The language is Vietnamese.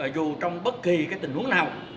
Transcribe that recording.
dù trong bất kỳ tình huống nào